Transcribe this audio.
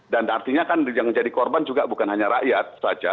dan artinya kan yang menjadi korban juga bukan hanya rakyat saja